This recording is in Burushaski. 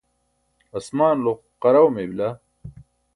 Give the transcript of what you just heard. asmaanulo qaraw mey bila